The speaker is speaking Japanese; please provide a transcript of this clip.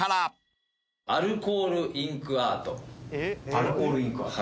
アルコールインクアート？